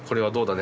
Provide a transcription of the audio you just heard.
ね